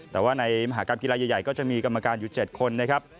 แต่ว่าในมหากรรมกีฬาใหญ่ก็จะมีกรรมการอยู่๗คนนะครับ